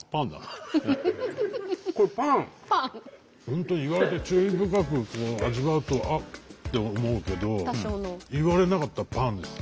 本当に言われて注意深く味わうと「あっ」って思うけど言われなかったらパンです。